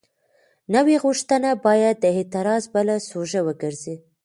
نوې غوښتنه باید د اعتراض بله سوژه وګرځي.